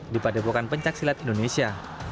di padepokan pencaksilat indonesia